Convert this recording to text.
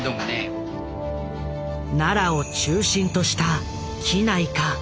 奈良を中心とした畿内か？